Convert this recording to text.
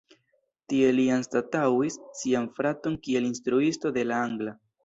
Tie li anstataŭis sian fraton kiel instruisto de la angla.